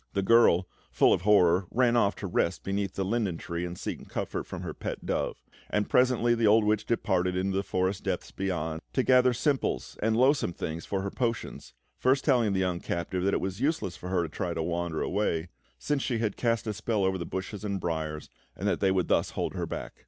The girl, full of horror, ran off to rest beneath the linden tree and seek comfort from her pet dove; and presently, the old witch departed into the forest depths beyond, to gather simples and loathsome things for her potions, first telling the young captive that it was useless for her to try to wander away, since she had cast a spell over the bushes and briars, and that they would thus hold her back.